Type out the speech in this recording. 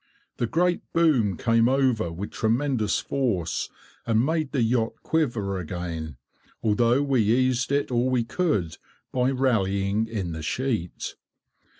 The great boom came over with tremendous force, and made the yacht quiver again, although we eased it all we could by rallying in the sheet.